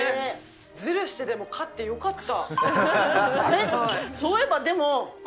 ずるしてでも勝ってよかった。